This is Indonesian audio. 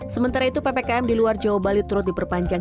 sementara itu ppkm di luar jawa bali turut diperpanjang